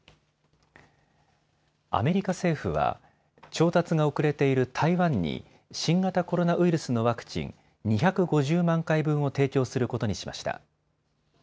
アメリカ政府は調達が遅れている台湾に新型コロナウイルスのワクチン、２５０万回分を提供することにしました。